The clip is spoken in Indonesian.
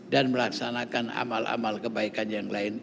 dan melaksanakan amal amal kebaikan yang lain